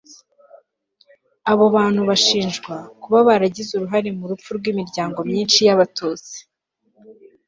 abo bantu bashinjwa kuba baragize uruhare mu rupfu rw'imiryango myinshi y'abatutsi